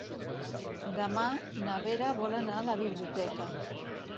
Demà na Vera vol anar a la biblioteca.